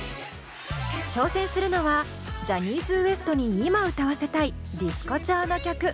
挑戦するのはジャニーズＷＥＳＴに今歌わせたいディスコ調の曲。